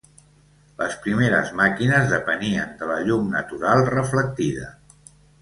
Les primeres màquines depenien de la llum natural reflectida.